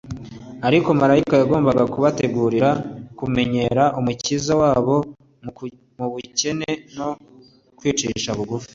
Ariko Malayika yagombaga kubategurira kumenyera Umukiza wabo mu bukene no kwicisha bugufi.